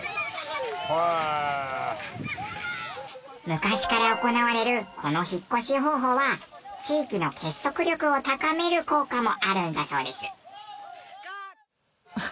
昔から行われるこの引っ越し方法は地域の結束力を高める効果もあるんだそうです。